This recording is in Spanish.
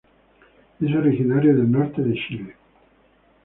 Es originario del norte de Chile.